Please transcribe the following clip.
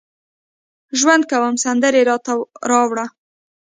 ژوند کوم سندرې راته راوړه